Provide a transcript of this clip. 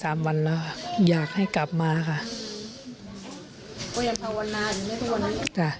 ไม่ได้๓วันแล้วอยากให้กลับมาค่ะ